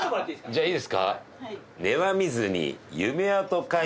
じゃあいいですか？